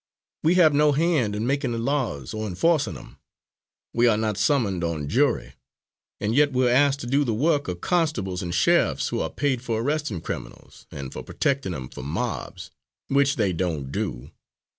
We have no hand in makin' the laws, or in enforcin' 'em; we are not summoned on jury; and yet we're asked to do the work of constables and sheriffs who are paid for arrestin' criminals, an' for protectin' 'em from mobs, which they don't do."